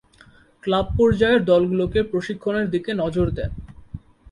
Club পর্যায়ের দলগুলোকে প্রশিক্ষণের দিকে নজর দেন।